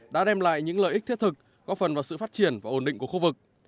đã đem lại những lợi ích thiết thực góp phần vào sự phát triển và ổn định của khu vực